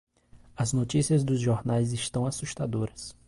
as notícias dos jornais estão assustadoras